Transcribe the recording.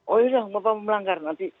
oh yaudah bapak melanggar nanti